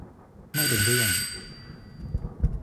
ไม่เป็นเรื่อง